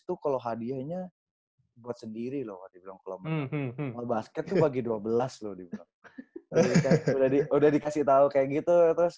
tuh kalau hadiahnya buat sendiri loh kalau basket tuh pagi dua belas loh udah dikasih tahu kayak gitu terus